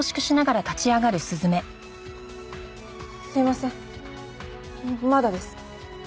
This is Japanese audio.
すいませんまだです。